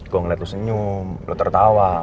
gue ngeliat lu senyum lu tertawa